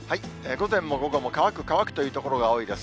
午前も午後も乾く、乾くという所が多いです。